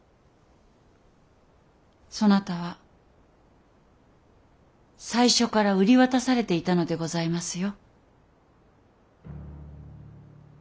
そなたは最初から売り渡されていたのでございますよ。